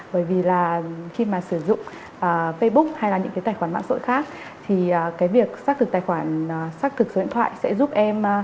bởi vì là khi mà sử dụng facebook hay là những cái tài khoản mạng xã hội khác thì cái việc xác thực tài khoản xác thực số điện thoại sẽ giúp em